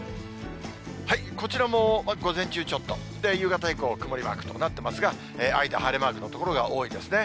こちらも、午前中、ちょっと、夕方以降曇りマークとなってますが、間、晴れマークの所が多いですね。